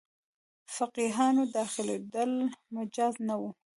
فقیهانو داخلېدل مجاز نه وو.